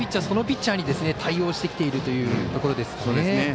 そのピッチャーに対応してきているというところですね。